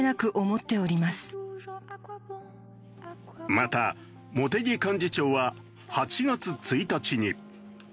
また茂木幹事長は８月１日に。